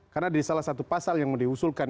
karena di salah satu pasal yang diusulkan